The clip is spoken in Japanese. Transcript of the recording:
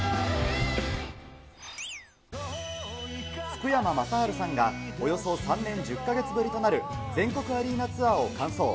福山雅治さんが、およそ３年１０か月ぶりとなる全国アリーナツアーを完走。